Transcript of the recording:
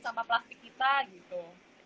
sampah plastik kita gitu